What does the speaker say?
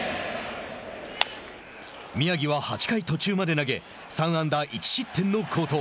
宮城は８回途中まで投げ３安打１失点の好投。